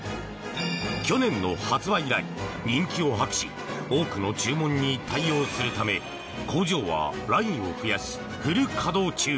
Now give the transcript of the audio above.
去年の発売以来、人気を博し多くの注文に対応するため工場はラインを増やしフル稼働中。